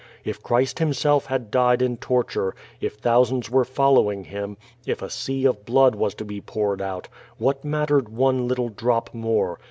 If Christ Him self had died in torture, if thousands were following Him, if a sea of blood was to be jwured out, what mattered one little drop more?